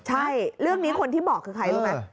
ใช่เรื่องนี้คนที่บอกคือใครรู้ไหม